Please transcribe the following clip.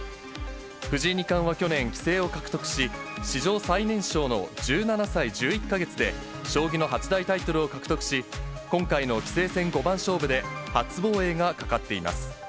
藤井二冠は去年、棋聖を獲得し、史上最年少の１７歳１１か月で、将棋の八大タイトルを獲得し、今回の棋聖戦五番勝負で、初防衛がかかっています。